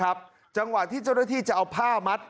กระทั่งเหวราย่อจังหวัดที่เจ้าหน้าที่จะเอาผ้ามัด